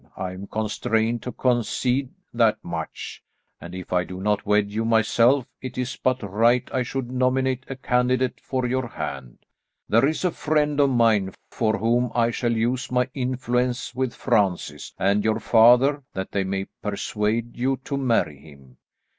I am constrained to concede that much, and if I do not wed you myself it is but right I should nominate a candidate for your hand. There is a friend of mine for whom I shall use my influence with Francis and your father that they may persuade you to marry him.